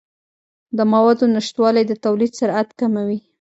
د موادو نشتوالی د تولید سرعت کموي.